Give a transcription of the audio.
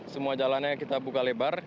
semua jalannya kita buka lebar